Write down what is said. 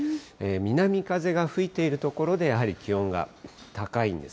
南風が吹いている所で、やはり気温が高いんです。